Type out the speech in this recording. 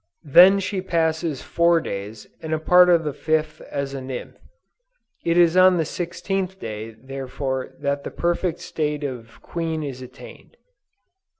Then she passes four days and a part of the fifth as a nymph. It is on the sixteenth day therefore that the perfect state of queen is attained."